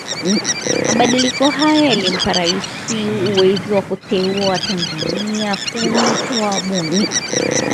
Mabadiliko hayo yalimpa Raisi uwezo wa kuteua watanzania kumi kuwa wabunge